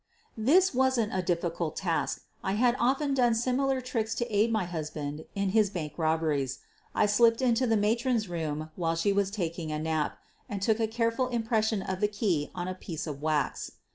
This wasn't a difficult task — I had often done similar tricks to aid my husband in his bank robberies. I slipped into the matron's room while she was taking a nap and took a careful impression' of the key on a piece of wax.